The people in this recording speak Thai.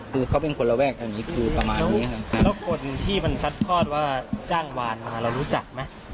คือเขาเป็นคนระแวกอันนี้คือประมาณนี้แล้วคนที่มันซัดทอดว่าจ้างวานมาเรารู้จักไหม